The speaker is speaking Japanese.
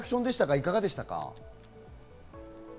いかがでしたか？